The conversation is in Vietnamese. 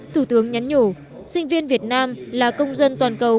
thủ tướng nhắn nhủ sinh viên việt nam là công dân toàn cầu